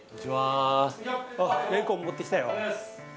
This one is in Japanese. れんこん持ってきたよ。